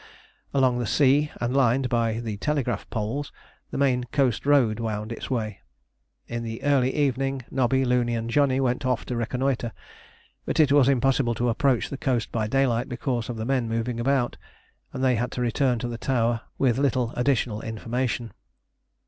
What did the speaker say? Along the sea and lined by the telegraph poles the main coast road wound its way. In the early evening Nobby, Looney, and Johnny went off to reconnoitre, but it was impossible to approach the coast by daylight because of the men moving about, and they had to return to the tower with little additional information.